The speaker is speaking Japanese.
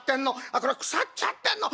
「あこれ腐っちゃってんの。